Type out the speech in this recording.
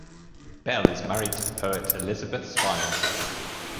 Bell is married to the poet Elizabeth Spires.